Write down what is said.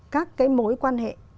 các cái mối quan hệ